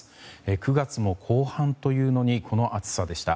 ９月も後半というのにこの暑さでした。